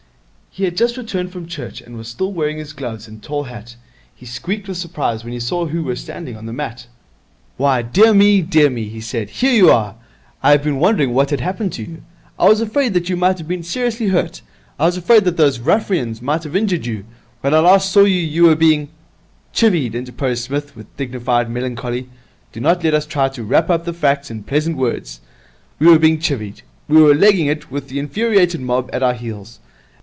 He had just returned from Church, and was still wearing his gloves and tall hat. He squeaked with surprise when he saw who were standing on the mat. 'Why, dear me, dear me,' he said. 'Here you are! I have been wondering what had happened to you. I was afraid that you might have been seriously hurt. I was afraid those ruffians might have injured you. When last I saw you, you were being ' 'Chivvied,' interposed Psmith, with dignified melancholy. 'Do not let us try to wrap the fact up in pleasant words. We were being chivvied. We were legging it with the infuriated mob at our heels.